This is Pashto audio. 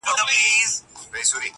منتظر د ترقی د دې کهسار یو-